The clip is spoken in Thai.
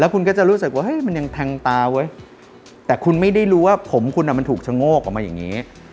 คุณก็จะรู้สึกว่าเฮ้ยมันยังแทงตาเว้ยแต่คุณไม่ได้รู้ว่าผมคุณมันถูกชะโงกออกมาอย่างนี้